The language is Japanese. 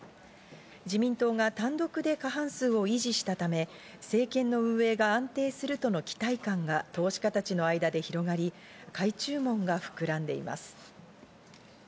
自民党が単独で過半数を維持したため、政権の運営が安定するとの期待感が投資家たちの間で広がり、買い注文が膨らんでいます。